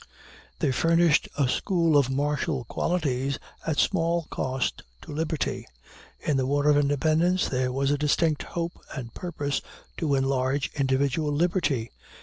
They furnished a school of martial qualities at small cost to liberty. In the War of Independence there was a distinct hope and purpose to enlarge individual liberty.